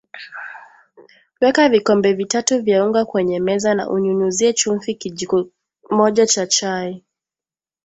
Weka vikombe vitatu vya unga kwenye meza na unyunyuzie chumvi kijiko moja cha chai